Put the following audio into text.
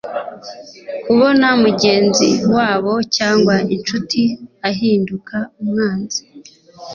kubona mugenzi wawe cyangwa incuti ahinduka umwanzi